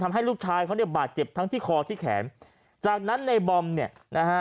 ทำให้ลูกชายเขาเนี่ยบาดเจ็บทั้งที่คอที่แขนจากนั้นในบอมเนี่ยนะฮะ